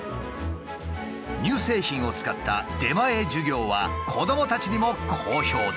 乳製品を使った「出前授業」は子どもたちにも好評だ。